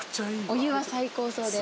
お湯は最高そうですね。